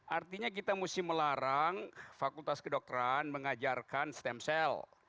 artinya kita mesti melarang fakultas kedokteran mengajarkan stem cell